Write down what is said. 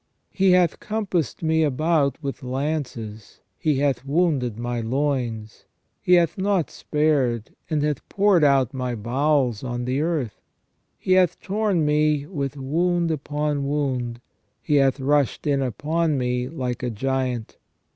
He hath compassed me about with lances. He hath wounded my loins. He hath not spared, and hath poured out my bowels on the earth. He hath torn me with wound upon wound. He hath rushed in upon me like a giant.